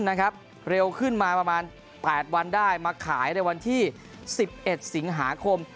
เร็วขึ้นมาประมาณ๘วันได้มาขายในวันที่๑๑สิงหาคม